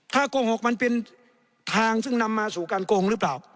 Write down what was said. โกหกมันเป็นทางซึ่งนำมาสู่การโกงหรือเปล่า